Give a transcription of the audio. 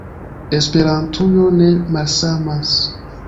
Esperantujo ne malsamas.